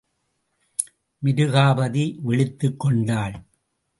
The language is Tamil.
மிருகாபதி விழித்துக் கொண்டாள்.